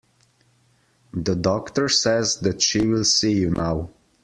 The doctor says that she will see you now.